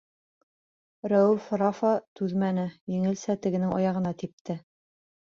Рәүеф-Рафа түҙмәне, еңелсә тегенең аяғына типте: